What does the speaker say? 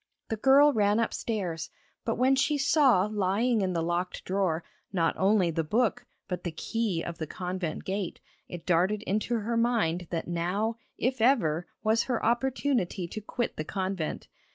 The girl ran upstairs, but when she saw lying in the locked drawer, not only the book, but the key of the convent gate, it darted into her mind that now, if ever, was her opportunity to quit the convent.